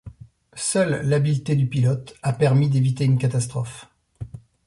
Seule l'habileté du pilote a permis d'éviter une catastrophe.